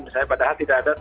misalnya padahal tidak ada